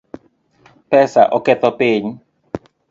Pesa oketho piny